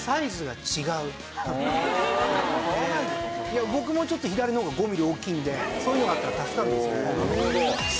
いや僕もちょっと左の方が５ミリ大きいのでそういうのがあったら助かるんですよ。